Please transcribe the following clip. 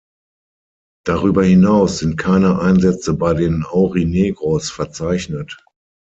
Darüber hinaus sind keine Einsätze bei den "Aurinegros" verzeichnet.